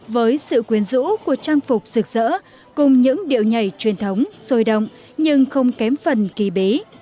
với sự quyến rũ của trang phục rực rỡ cùng những điệu nhảy truyền thống sôi động nhưng không kém phần kỳ bí